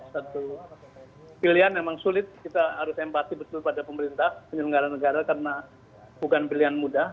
satu pilihan memang sulit kita harus empati betul pada pemerintah penyelenggara negara karena bukan pilihan mudah